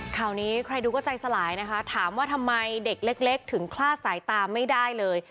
ข่าวนี้ใครดูก็ใจสลายนะคะถามว่าทำไมเด็กเล็กถึงคลาดสายตาไม่ได้เลย